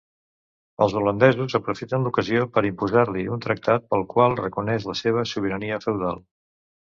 Els holandesos aprofiten l'ocasió per imposar-li un tractat pel qual reconeix la seva sobirania feudal.